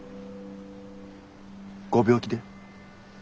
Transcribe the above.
ご病気で？